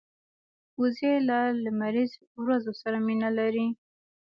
وزې له لمریز ورځو سره مینه لري